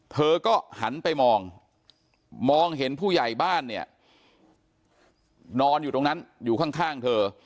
เธอก็หันไปมองมองเห็นผู้ใหญ่บ้านเนี่ยนอนอยู่ตรงนั้นอยู่ข้างเธอ